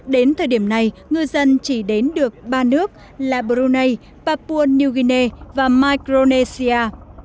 đến thời điểm này ngư dân chỉ đến được ba nước là brunei papua new guinea và micronesia